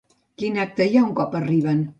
Quin acte hi ha un cop arriben?